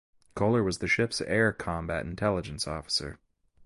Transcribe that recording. Kohler was the ship's air combat intelligence officer.